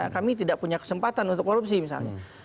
kami tidak punya kesempatan untuk korupsi misalnya